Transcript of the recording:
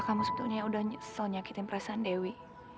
apa kamu sebetulnya yang udah nyesel nyakitin perasaan dewi